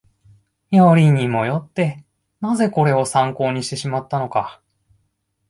よりにもよって、なぜこれを参考にしてしまったのか